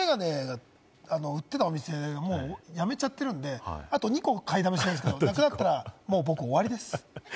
売ってたお店がもうやめちゃってるんで２個買いだめしてるんですけど、なくなったら僕もう終わりです。